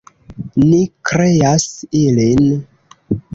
Ni kreas ilin!